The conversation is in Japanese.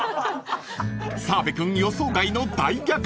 ［澤部君予想外の大逆転］